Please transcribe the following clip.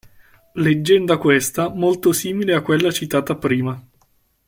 Leggenda questa molto simile a quella citata prima.